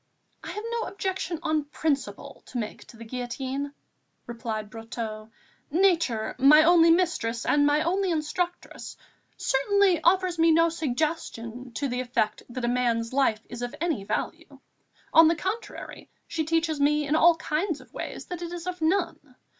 "I have no objection on principle to make to the guillotine," replied Brotteaux. "Nature, my only mistress and my only instructress, certainly offers me no suggestion to the effect that a man's life is of any value; on the contrary, she teaches in all kinds of ways that it is of none.